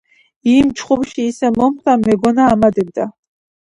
იმ ჩხუბში ისე მომხვდა, მეგონა ამადებდა.